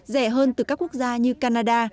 giữa quốc gia như canada